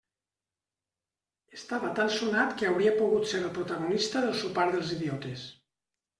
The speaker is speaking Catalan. Estava tan sonat que hauria pogut ser el protagonista del sopar dels idiotes.